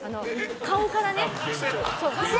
顔からね。